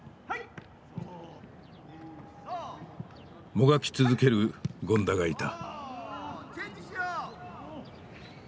もがき続ける権田がいた。